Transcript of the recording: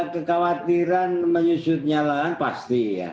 kekhawatiran menyusutnya lahan pasti ya